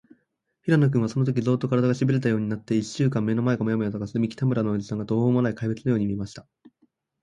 平野君は、そのとき、ゾーッと、からだが、しびれたようになって、いっしゅんかん目の前がモヤモヤとかすみ、北村のおじさんが、とほうもない怪物のように見えました。